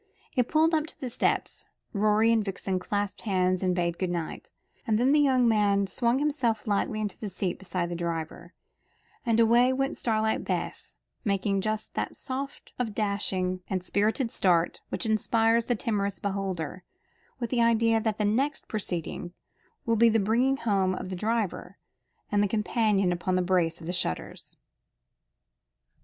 It pulled up at the steps. Rorie and Vixen clasped hands and bade good night, and then the young man swung himself lightly into the seat beside the driver, and away went Starlight Bess making just that sort of dashing and spirited start which inspires the timorous beholder with the idea that the next proceeding will be the bringing home of the driver and his companion upon a brace of shutters.